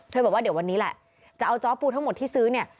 บอกว่าเดี๋ยววันนี้แหละจะเอาจ้อปูทั้งหมดที่ซื้อเนี่ย